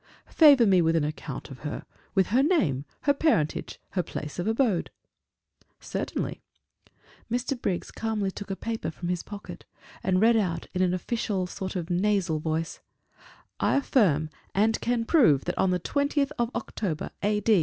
"Favor me with an account of her with her name, her parentage, her place of abode." "Certainly." Mr. Briggs calmly took a paper from his pocket, and read out in a sort of official, nasal voice: "I affirm and can prove that on the 20th of October, A.